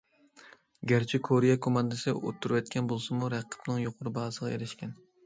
گەرچە كورېيە كوماندىسى ئۇتتۇرۇۋەتكەن بولسىمۇ، رەقىبىنىڭ يۇقىرى باھاسىغا ئېرىشكەن.